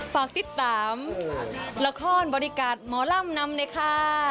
ฝากติดตามละครบริการหมอลำนำเลยค่ะ